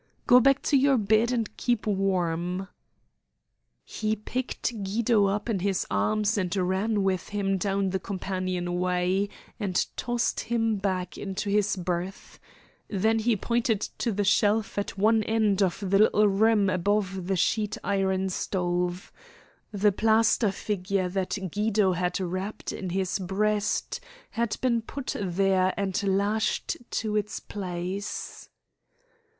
"Go back to your bed and keep warm." He picked Guido up in his arms, and ran with him down the companion way, and tossed him back into his berth. Then he pointed to the shelf at one end of the little room, above the sheet iron stove. The plaster figure that Guido had wrapped in his breast had been put there and lashed to its place.